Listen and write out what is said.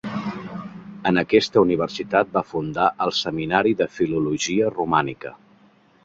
En aquesta universitat va fundar el Seminari de Filologia Romànica.